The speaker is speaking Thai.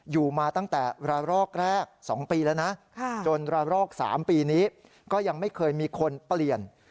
อยู่มาตั้งแต่ระลอกแรก๒ปีแล้วนะจนระลอก๓ปีนี้ก็ยังไม่เคยมีคนเปลี่ยน